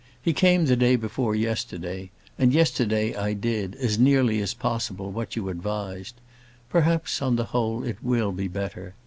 He came the day before yesterday, and yesterday I did, as nearly as possible, what you advised. Perhaps, on the whole, it will be better.